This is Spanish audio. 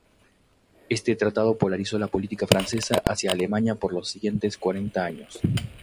Este tratado polarizó la política francesa hacia Alemania por los siguientes cuarenta años.